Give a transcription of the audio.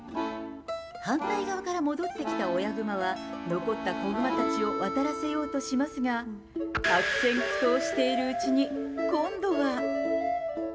反対側から戻ってきた親グマは、残った子グマたちを渡らせようとしますが、悪戦苦闘しているうちに、今度は。